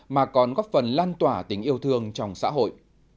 mà còn góp phần lan tỏa tình yêu thương trong xã hội